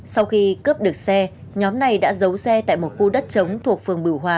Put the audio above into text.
sau khi cướp được xe nhóm này đã giấu xe tại một khu đất chống thuộc phường bửu hòa